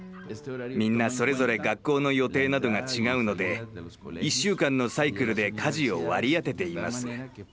みんなそれぞれ学校の予定などが違うので１週間のサイクルで家事を割り当てています。